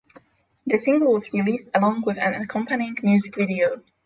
The single was released along with an accompanying music video.